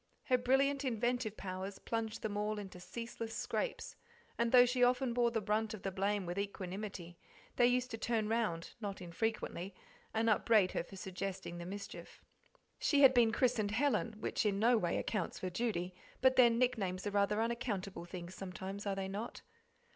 Her brilliant inventive powers plunged them all into ceaseless scrapes, and though she often bore the brunt of the blame with equanimity, they used to turn round, not infrequently, and upbraid her for suggesting the mischief. She had been christened "Helen," which in no way account's for "Judy," but then nicknames are rather unaccountable things sometimes, are they not?